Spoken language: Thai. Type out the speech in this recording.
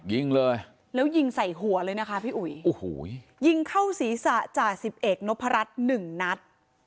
ยิงเลยแล้วยิงใส่หัวเลยนะคะพี่อุ๋ยโอ้โหยิงเข้าศีรษะจ่าสิบเอกนพรัชหนึ่งนัด